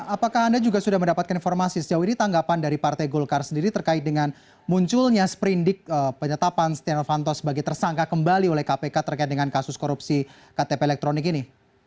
apakah anda juga sudah mendapatkan informasi sejauh ini tanggapan dari partai golkar sendiri terkait dengan munculnya sprindik penyetapan setia novanto sebagai tersangka kembali oleh kpk terkait dengan kasus korupsi ktp elektronik ini